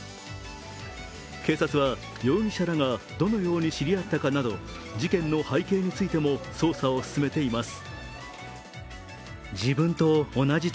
警察は容疑者らが、どのように知り合ったかなど事件の背景についても捜査を進めています。